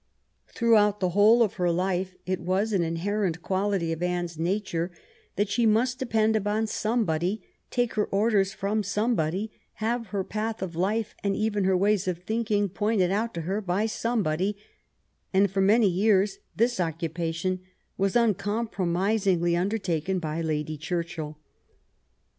Throughout the whole of her life it was an inherent quality of Anne^s nature that she must depend upon somebody, take her orders from somebody, have her path of life and even her ways of thinking pointed out to her by somebody, and for many years this occupation was uncompromisingly undertaken by Lady Churchill.